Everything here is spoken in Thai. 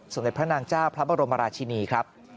ส่วนด้วยพระนางจ้าพระบรมราชินีครับ